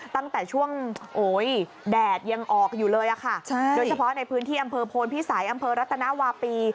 ตั้งแต่ช่วงโอ้ยแดดยังออกอยู่เลยค่ะโดยเฉพาะในพื้นที่อำเภอโพนพิสัยอำเภอรัตนาวาปี